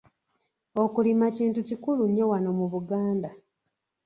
Okulima kintu kikulu nnyo wano mu Buganda.